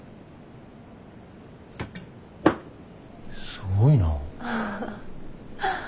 すごいな。